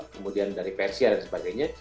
kemudian dari persia dan sebagainya